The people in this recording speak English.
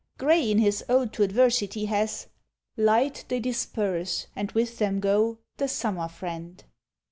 Gray, in his "Ode to Adversity," has Light THEY DISPERSE, and with them go The SUMMER FRIEND.